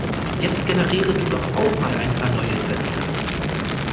Jetzt generiere du doch auch mal ein paar neue Sätze.